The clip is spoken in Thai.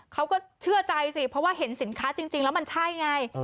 เขาก็เชื่อใจสิเพราะว่าเห็นสินค้าจริงแล้วมันใช่ไง